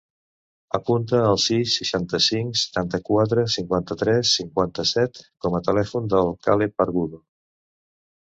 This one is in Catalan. Apunta el sis, seixanta-cinc, setanta-quatre, cinquanta-tres, cinquanta-set com a telèfon del Caleb Argudo.